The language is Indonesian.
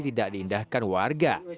tidak diindahkan warga